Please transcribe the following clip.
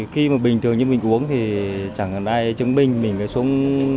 khi mà bình thường như mình uống thì chẳng hạn ai chứng minh mình phải xuống